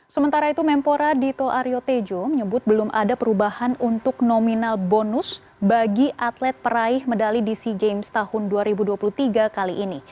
sementara itu mempora dito aryo tejo menyebut belum ada perubahan untuk nominal bonus bagi atlet peraih medali di sea games tahun dua ribu dua puluh tiga kali ini